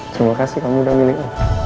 terima kasih kamu udah milih